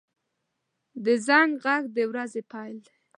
• د زنګ غږ د ورځې پیل دی.